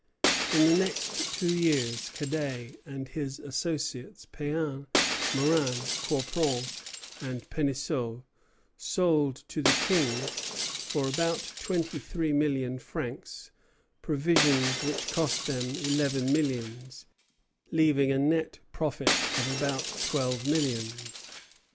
In the next two years Cadet and his associates, Péan, Maurin, Corpron, and Penisseault, sold to the King, for about twenty three million francs, provisions which cost them eleven millions, leaving a net profit of about twelve millions.